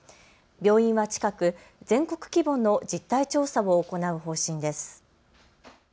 病院は近く全国規模の実態調査を行う方針です。